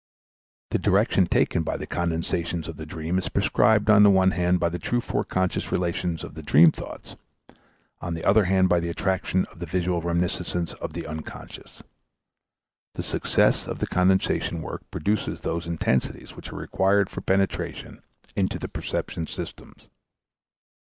The direction taken by the condensations of the dream is prescribed on the one hand by the true foreconscious relations of the dream thoughts, an the other hand by the attraction of the visual reminiscences in the unconscious. The success of the condensation work produces those intensities which are required for penetration into the perception systems.